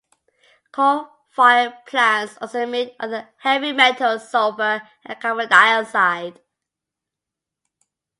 Coal-fired plants also emit other heavy metals, sulfur, and carbon dioxide.